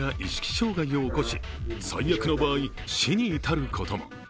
障害を起こし最悪の場合、死に至ることも。